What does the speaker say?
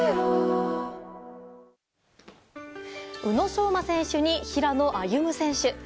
宇野昌磨選手に平野歩夢選手。